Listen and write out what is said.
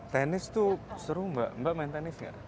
tenis tuh seru mbak mbak main tenis ga